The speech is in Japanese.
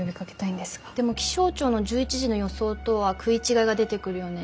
でも気象庁の１１時の予想とは食い違いが出てくるよね。